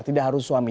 tidak harus suami